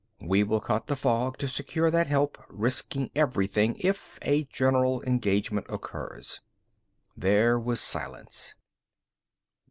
We will cut the fog to secure that help, risking everything, if a general engagement occurs." There was silence.